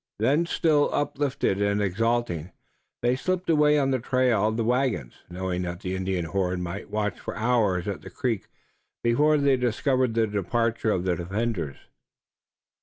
Then still uplifted and exulting, they slipped away on the trail of the wagons, knowing that the Indian horde might watch for hours at the creek before they discovered the departure of the defenders.